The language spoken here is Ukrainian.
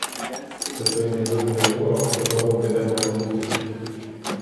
Це той невидимий ворог, котрому підемо назустріч.